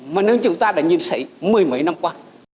mà nếu chúng ta đã nhìn thấy mười mấy năm qua